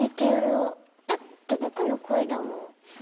だって僕の声だもん。